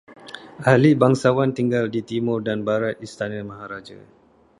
Ahli bangsawan tinggal di timur dan barat istana maharaja